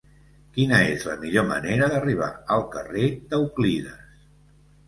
Quina és la millor manera d'arribar al carrer d'Euclides?